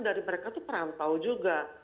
dari mereka itu perantau juga